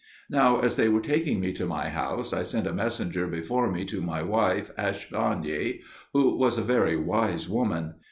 Now as they were taking me to my house, I sent a messenger before me to my wife Ashfagni, who was a very wise woman.